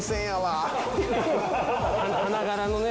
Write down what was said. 花柄のね。